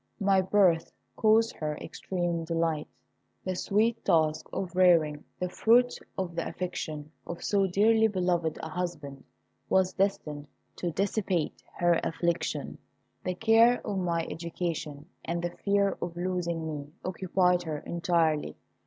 My birth caused her extreme delight. The sweet task of rearing the fruit of the affection of so dearly beloved a husband was destined to dissipate her affliction. The care of my education and the fear of losing me occupied her entirely.